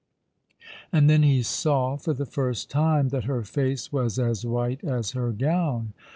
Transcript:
" And then he saw for the first time that her face was as white as her gown.